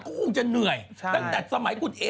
ต้องถามนานะ